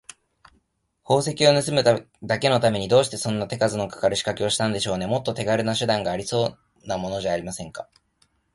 宝石をぬすむだけのために、どうしてそんな手数のかかるしかけをしたんでしょうね。もっと手がるな手段がありそうなものじゃありませんか。